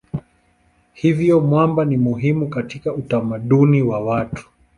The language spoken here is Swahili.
Hivyo mwamba ni muhimu katika utamaduni wa watu.